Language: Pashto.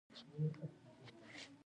د پوځي او مالي مرستو وعده یې ورکړه.